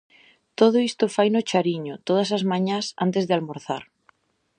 Todo isto faino Chariño todas as mañás antes de almorzar.